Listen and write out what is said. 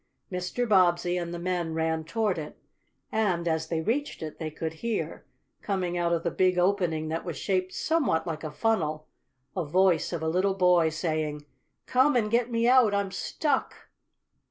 Mr. Bobbsey and the men ran toward it, and, as they reached it, they could hear, coming out of the big opening that was shaped somewhat like a funnel, a voice of a little boy, saying: "Come and get me out! I'm stuck!"